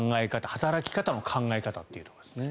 働き方の考え方と。